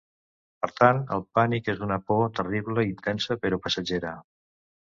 Per tant, el pànic és una por terrible i intensa, però passatgera.